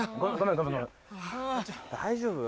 大丈夫？